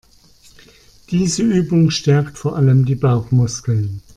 Diese Übung stärkt vor allem die Bauchmuskeln.